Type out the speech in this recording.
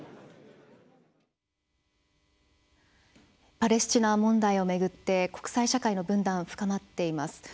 パレスチナ問題を巡って国際社会の分断深まっています。